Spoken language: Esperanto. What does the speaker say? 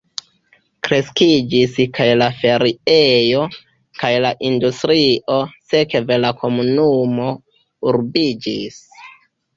Kreskiĝis kaj la feriejo, kaj la industrio, sekve la komunumo urbiĝis.